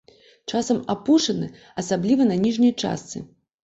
Часам апушаны, асабліва на ніжняй частцы.